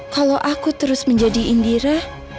kalau aku terus menjadi indira